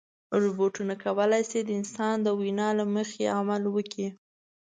روبوټونه کولی شي د انسان د وینا له مخې عمل وکړي.